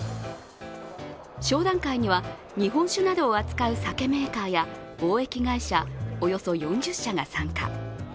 商談会には、日本酒などを扱う酒メーカーや貿易会社およそ４０社が参加。